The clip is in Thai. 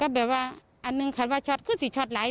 อัพการณ์เอูลิโชกั้งครั้งสุดท้าย